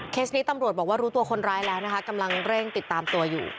นี้ตำรวจบอกว่ารู้ตัวคนร้ายแล้วนะคะกำลังเร่งติดตามตัวอยู่